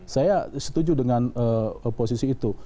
saya setuju dengan posisi itu